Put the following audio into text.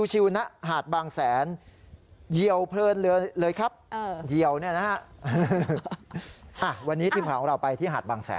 ชิวน่ะหาดบางแสนยี่ยวเพลินเลยครับ